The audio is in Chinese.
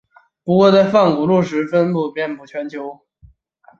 不过在泛古陆时其分布遍布全球。